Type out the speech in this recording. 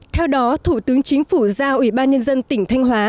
theo đó thủ tướng chính phủ giao ủy ban nhân dân tỉnh thanh hóa